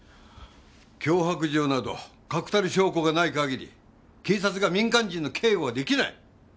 脅迫状など確たる証拠がない限り警察が民間人の警護は出来ない！